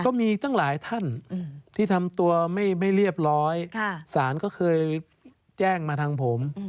ก็มีตั้งหลายท่านที่ทำตัวไม่เรียบร้อยสารก็เคยแจ้งมาทางผม